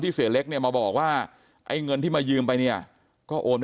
เสียเล็กเนี่ยมาบอกว่าไอ้เงินที่มายืมไปเนี่ยก็โอนไป